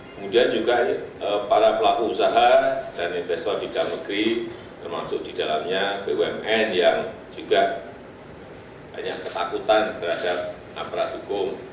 kemudian juga para pelaku usaha dan investor di dalam negeri termasuk di dalamnya bumn yang juga banyak ketakutan terhadap aparat hukum